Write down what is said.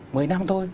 mười năm thôi